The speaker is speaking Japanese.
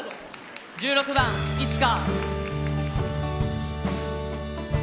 １６番「いつか」。